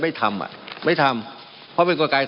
มันมีมาต่อเนื่องมีเหตุการณ์ที่ไม่เคยเกิดขึ้น